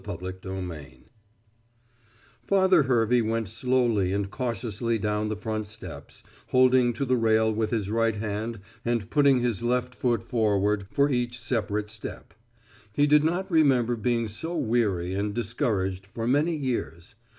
XXXIII THE APE Father Hervey went slowly and cautiously down the front steps, holding to the rail with his right hand and putting his left foot forward for each separate step. He did not remember being so weary and discouraged for many years.